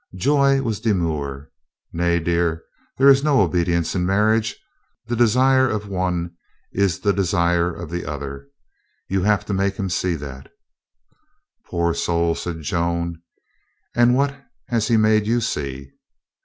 Joy was demure. "Nay, dear, there is no obed WIFE AND MAID 371 ience in marriage. The desire of one is the desire of the other. You have to make him see that." "Poor soul!" said Joan. "And what has he made you see?"